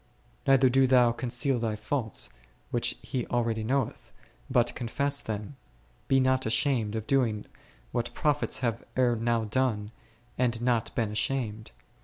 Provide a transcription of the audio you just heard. Neither do thou con ceal thy faults, which He already knoweth, but con fess them. Be not ashamed of doing what prophets have ere now done, and not been ashamed.